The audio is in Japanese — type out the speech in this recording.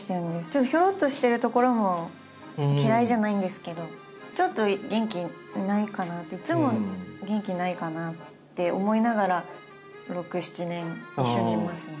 ちょっとひょろっとしてるところも嫌いじゃないんですけどちょっと元気ないかなっていつも元気ないかなって思いながら６７年一緒にいますね。